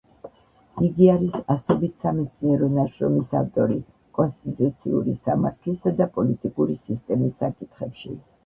იგი არის ასობით სამეცნიერო ნაშრომის ავტორი კონსტიტუციური სამართლისა და პოლიტიკური სისტემის საკითხებში.